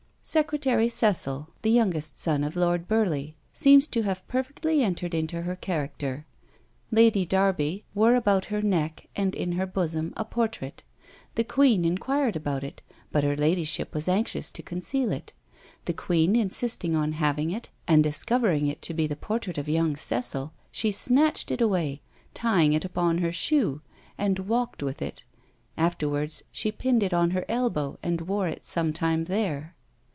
Secretary Cecil, the youngest son of Lord Burleigh, seems to have perfectly entered into her character. Lady Derby wore about her neck and in her bosom a portrait; the queen inquired about it, but her ladyship was anxious to conceal it. The queen insisted on having it; and discovering it to be the portrait of young Cecil, she snatched it away, tying it upon her shoe, and walked with it; afterwards she pinned it on her elbow, and wore it some time there.